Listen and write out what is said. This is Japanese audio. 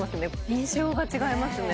印象が違いますね